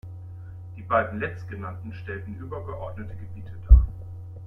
Die beiden letztgenannten stellen übergeordnete Gebiete dar.